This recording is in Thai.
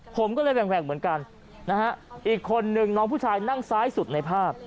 ผมก็เลยแหว่งเหมือนกันนะฮะอีกคนนึงน้องผู้ชายนั่งซ้ายสุดในภาพ